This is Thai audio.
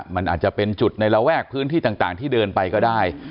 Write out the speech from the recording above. มันอาจจะเป็นจุดในระแวกพื้นที่ต่างที่เดินไปก็ได้